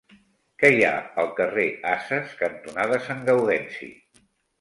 Què hi ha al carrer Ases cantonada Sant Gaudenci?